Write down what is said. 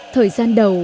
thời gian đầu